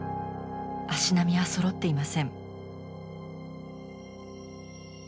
足並みはそろっていません。